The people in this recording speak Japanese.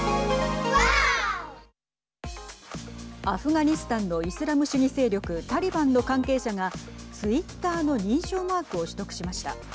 アフガニスタンのイスラム主義勢力タリバンの関係者がツイッターの認証マークを取得しました。